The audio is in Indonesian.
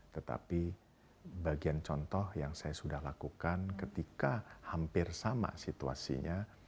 tetapi bagian contoh yang saya sudah lakukan ketika hampir sama situasinya